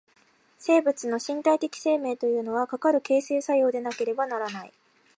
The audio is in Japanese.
生物の身体的生命というのは、かかる形成作用でなければならない。